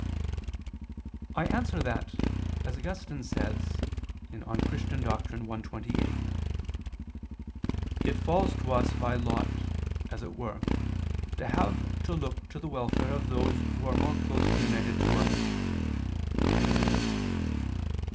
I answer that, As Augustine says (De Doctr. Christ. i, 28), "it falls to us by lot, as it were, to have to look to the welfare of those who are more closely united to us."